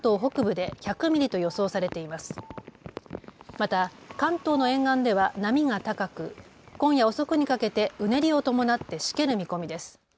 また関東の沿岸では波が高く今夜遅くにかけてうねりを伴ってしける見込みです。